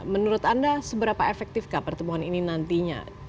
menurut anda seberapa efektifkah pertemuan ini nantinya